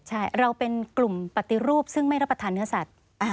ใช่เราเป็นกลุ่มปฏิรูปซึ่งไม่รับประทานเนื้อสัตว์